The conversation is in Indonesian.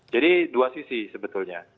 jadi dua sisi sebetulnya